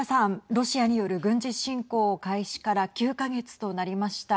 ロシアによる軍事侵攻開始から９か月となりました。